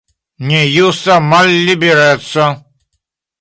Nejusta mallibereco.